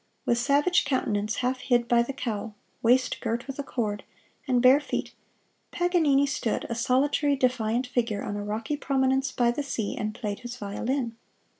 With savage countenance half hid by the cowl, waist girt with a cord, and bare feet, Paganini stood, a solitary defiant figure, on a rocky prominence by the sea, and played his violin.